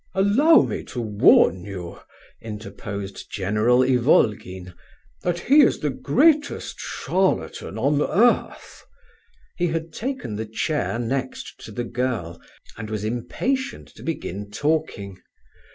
"Allow me to warn you," interposed General Ivolgin, "that he is the greatest charlatan on earth." He had taken the chair next to the girl, and was impatient to begin talking.